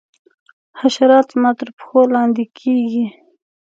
حشرات زما تر پښو لاندي کیږي.